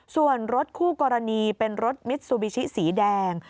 ส่วนรถคู่กรณีเป็นรถมิดซูบิชิสีแดง